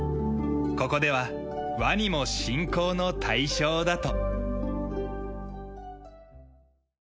ここではワニも信仰の対象だと。